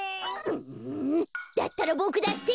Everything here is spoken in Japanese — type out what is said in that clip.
うだったらボクだって！